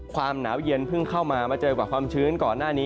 ความหนาวเย็นเพิ่งเข้ามามาเจอกับความชื้นก่อนหน้านี้